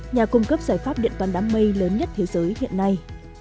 nhà cung cấp giải pháp điện toàn đám mây lớn nhất thế giới hiện nay